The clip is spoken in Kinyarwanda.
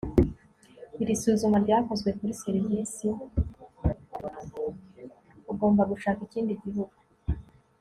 ugomba gushaka ikindi gihugu